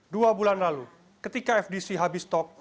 dua bulan lalu ketika fdc habis stok